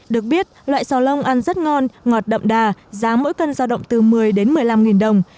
được biết loại xào lông ăn rất ngon ngọt đậm đà giá mỗi cân giao động từ một mươi đến một mươi năm nghìn đồng